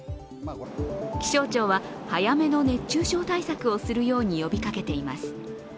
気象庁は早めの熱中症対策をするように呼びかけています。